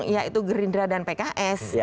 yaitu gerindra dan pks